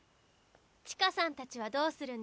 千歌さんたちはどうするんですの？